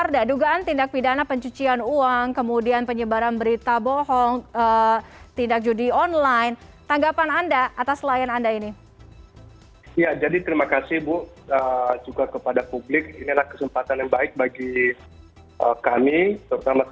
bagaimana perasaan anda terhadap indra kents